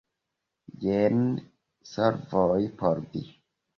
Jen solvoj por vi.